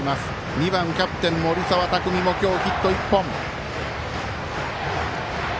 ２番キャプテン、森澤拓海も今日ヒット１本。